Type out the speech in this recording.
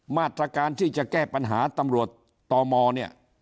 มาตรการที่จะแก้ปัญหาตำรวจตมเนี่ย